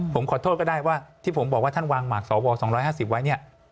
ผมขอโทษก็ได้ว่าที่ผมบอกว่าท่านวางหมากสว๒๕๐ไว้เนี่ย